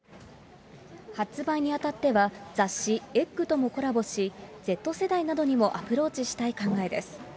発売にあたっては、雑誌、ｅｇｇともコラボし、Ｚ世代などにもアプローチしたい考えです。